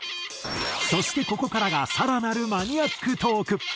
そしてここからが更なるマニアックトーク。